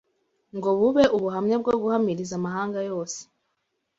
ngo bube ubuhamya bwo guhamiriza amahanga yose: